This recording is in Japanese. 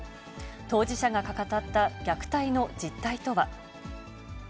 当事者が語った虐待の実態とは。